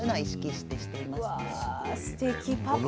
すてきパパ！